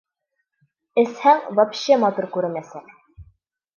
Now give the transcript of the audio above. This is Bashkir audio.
Эсһәң, вообще матур күренәсәк.